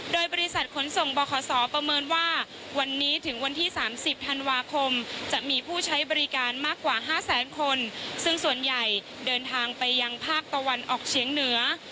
โดยบริษัทขนส่งบขศประเมินว่าวันนี้ถึงวันที่๓๐ธันวาคมจะมีผู้ใช้บริการมากกว่า๕แสนคนซึ่งส่วนใหญ่เดินทางไปยังภาคตะวันออกเฉียงเหนือ